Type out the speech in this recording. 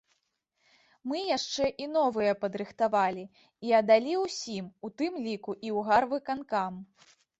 Мы яшчэ і новыя падрыхтавалі і аддалі ўсім, у тым ліку і ў гарвыканкам.